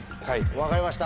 分かりました。